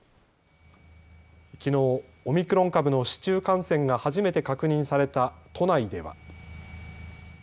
きのう、オミクロン株の市中感染が初めて確認された都内では。